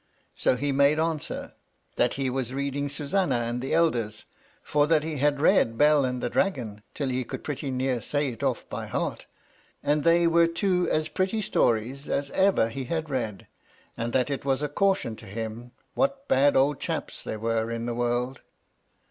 So he made answer, ' That he was reading Susannah and the Elders, for that he had read Bel and the Dragon till he could pretty near say it oflF by heart, and they were two as pretty stories as ever he had read, and that it was a caution to him what bad old chaps there were in the world.'